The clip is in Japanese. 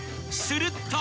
［すると］